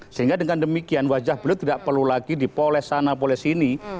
sehingga dengan demikian wajah beliau tidak perlu lagi dipoles sana boleh sini